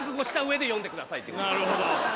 なるほど。